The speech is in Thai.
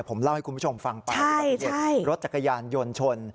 ผมเล่าให้คุณผู้ชมฟังไปอุบัติเหตุรถจักรยานยนต์ชน